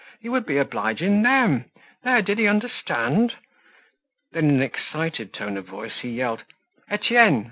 He would be obliging them. There, did he understand? Then in an excited tone of voice he yelled: "Etienne!